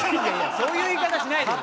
そういう言い方しないでよ。